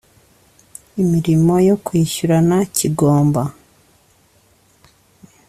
Imirimo yo kwishyurana kigomba